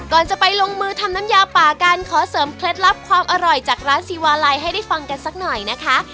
ก่อนจะไปลงมือทำน้ำยาป่ากันขอเสริมเคล็ดลับความอร่อยจากร้านซีวาลัยให้ได้ฟังกันสักหน่อยนะคะ